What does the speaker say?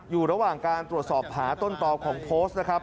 อยู่ระหว่างการตรวจสอบหาต้นต่อของโพสต์นะครับ